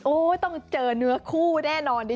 ต้องเจอเนื้อคู่แน่นอนดิ